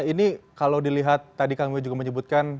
ini kalau dilihat tadi kang win juga menyebutkan